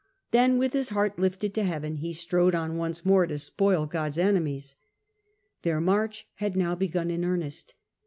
Then with his heart lifted to heaven he strode on once more to spoil God's enemies. Their march had now begun in earnest.